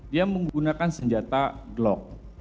dia menggunakan senjata glock